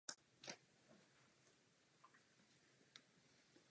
Obě sestry tak měly dostatek volnosti.